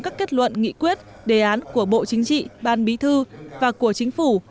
các kết luận nghị quyết đề án của bộ chính trị ban bí thư và của chính phủ